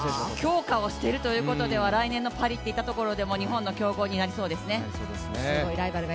強化をしているというところでは、来年のパリでも日本の強豪になりそうですね。